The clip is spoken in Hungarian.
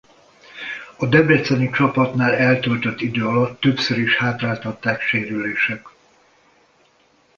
A debreceni csapatnál eltöltött idő alatt többször is hátráltatták sérülések.